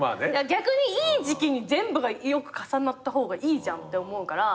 逆にいい時期に全部がよく重なった方がいいじゃんって思うから。